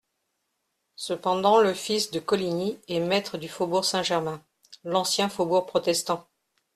Cependant le fils de Coligny est maître du faubourg Saint-Germain, l'ancien faubourg protestant.